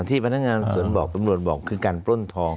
ที่พนักงานสวนบอกตำรวจบอกคือการปล้นทอง